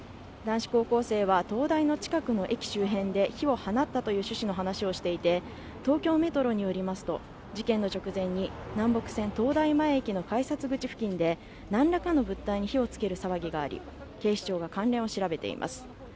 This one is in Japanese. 男子高校生は東大の近くの駅周辺で火を放ったという趣旨の話をしていて東京メトロによりますと事件の直前に南北線東大前駅の改札口付近でなんらかの物体に火をつける騒ぎがあり警視庁が関連を調べています